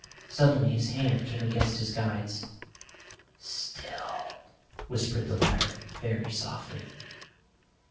Suddenly his hand came against his guide's. "Still!" whispered the latter very softly.